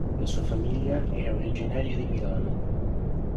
La sua famiglia era originaria di Milano.